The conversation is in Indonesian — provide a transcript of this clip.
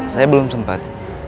saya belum sempet